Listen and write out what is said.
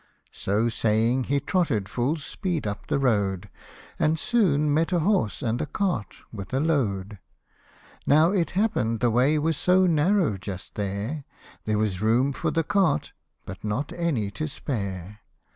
So saying he trotted full speed up the road, And soon met a horse and a cart with a load ; Now it happen'd the way was so narrow just there, There was room for the cart, but not any to spare.